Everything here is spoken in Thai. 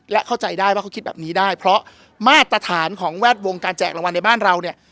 และเข้าใจได้ว่าเขาคิดแบบนี้ได้เพราะมาตรฐานของแวดวงการแจกรางวัลในบ้านเราเนี่ย